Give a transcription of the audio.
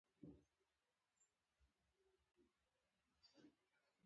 ما ورته وویل: کېدای شي ته هم زخمي شې، دا ممکنه ده.